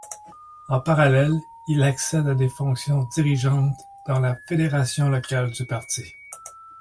En parallèle, il accède à des fonctions dirigeantes dans la fédération locale du parti.